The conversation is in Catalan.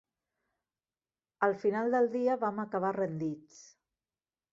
Al final del dia vam acabar rendits.